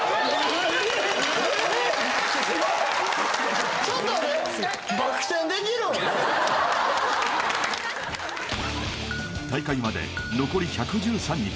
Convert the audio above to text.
すごいちょっとえっ大会まで残り１１３日